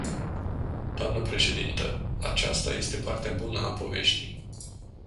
Dnă președintă, aceasta este partea bună a poveștii.